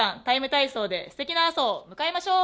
ＴＩＭＥ，体操」で、すてきな朝を迎えましょう。